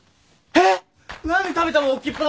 えっ！？